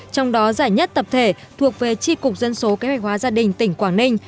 trong đó giải nhất tập thể thuộc về tri cục dân số kế hoạch hóa gia đình tỉnh quảng ninh